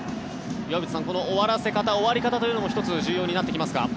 岩渕さん、この終わらせ方終わり方というのも１つ、重要になってきますか？